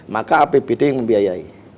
maka apbd yang membiayai